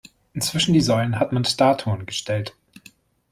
Zwischen die Säulen hat man Statuen gestellt.